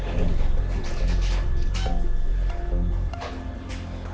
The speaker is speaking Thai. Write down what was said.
ท่านอื่นล่ะสวัสดีที่ดี